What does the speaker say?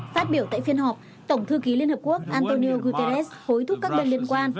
phát biểu tại phiên họp tổng thư ký liên hợp quốc antonio guterres hối thúc các bên liên quan